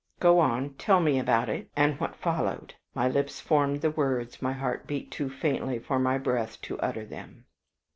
"Go on; tell me about it, and what followed." My lips formed the words; my heart beat too faintly for my breath to utter them.